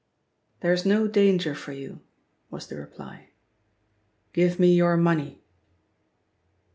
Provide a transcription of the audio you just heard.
"There is no danger for you," was the reply. "Give me your money."